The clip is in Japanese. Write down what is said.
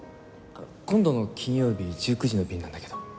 今度の金曜日１９時の便なんだけど。